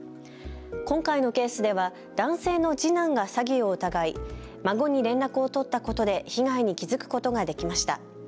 今回のケースでは男性の次男が詐欺を疑い孫に連絡を取ったことで被害に気付くことができました。